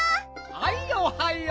はいおはよう。